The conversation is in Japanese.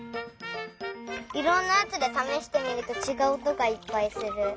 いろんなやつでためしてみるとちがうおとがいっぱいする。